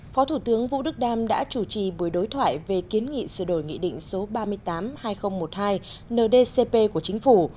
phó thủ tướng vũ đức đam đã chủ trì buổi đối thoại về kiến nghị sửa đổi nghị định số ba mươi tám hai nghìn một mươi hai ndcp của chính phủ